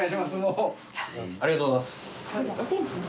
ありがとうございます。